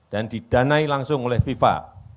dan didanai langsung oleh fifa